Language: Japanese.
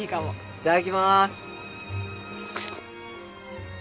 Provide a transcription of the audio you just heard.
いただきます。